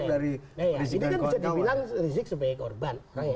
nah ini kan bisa dibilang risik sebagai korban